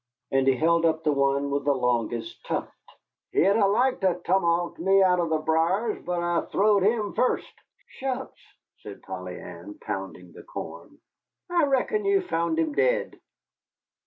And he held up the one with the longest tuft. "He'd liked to tomahawked me out'n the briers, but I throwed him fust." "Shucks," said Polly Ann, pounding the corn, "I reckon you found him dead."